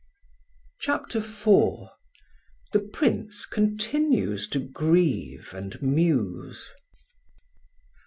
CHAPTER IV THE PRINCE CONTINUES TO GRIEVE AND MUSE.